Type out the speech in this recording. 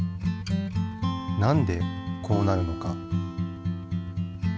なんでこうなるのか？